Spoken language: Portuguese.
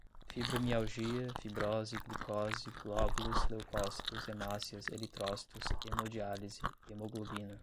fibromialgia, fibrose, glicose, glóbulos, leucócitos, hemácias, eritrócitos, hemodiálise, hemoglobina